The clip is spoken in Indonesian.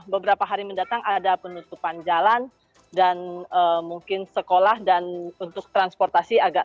beberapa hari mendatang ada penutupan jalan dan mungkin sekolah dan untuk transportasi agak